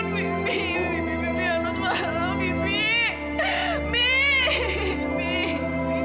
kenapa belum proyek dan keboy